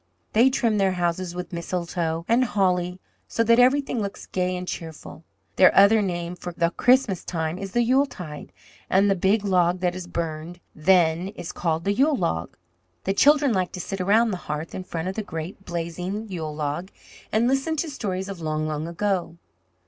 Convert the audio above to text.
"They trim their houses with mistletoe and holly so that everything looks gay and cheerful. Their other name for the Christmas time is the Yuletide, and the big log that is burned then is called the Yule log. The children like to sit around the hearth in front of the great, blazing Yule log, and listen to stories of long, long ago.